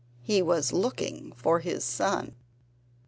He was looking for his son.